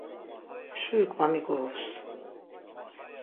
Şurik va migorups.